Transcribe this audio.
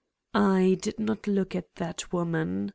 I did not look at that woman.